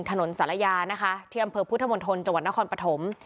ถนนสะระยานะคะที่บริกาพุทธมดทลจังหวัดนครปฐม